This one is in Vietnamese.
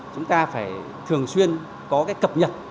chúng ta phải thường xuyên có cái cập nhật